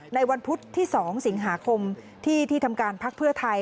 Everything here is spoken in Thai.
ในวันพุธที่๒สิงหาคมที่ที่ทำการพักเพื่อไทย